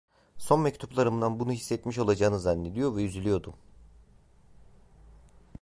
Son mektuplarımdan bunu, hissetmiş olacağını zannediyor ve üzülüyordum.